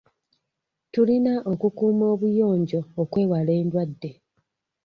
Tulina okukuuma obuyonjo okwewala endwadde.